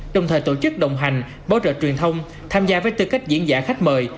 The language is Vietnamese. đồng thời tổ chức đồng hành bảo trợ truyền thông tham gia với tư cách diễn giả khách mời